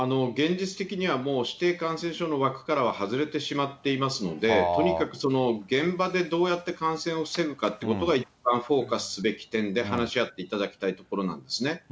現実的にはもう指定感染症の枠からは外れてしまっていますので、とにかく現場でどうやって感染を防ぐかということが一番フォーカスすべき点で話し合っていただきたいところなんですね。